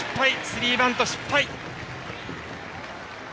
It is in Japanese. スリーバント失敗。